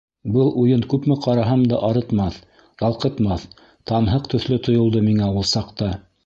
Был уйын күпме ҡараһам да арытмаҫ, ялҡытмаҫ, танһыҡ төҫлө тойолдо миңә ул саҡта.